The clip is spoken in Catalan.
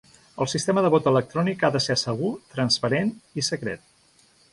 El sistema de vot electrònic ha de ser segur, transparent i secret.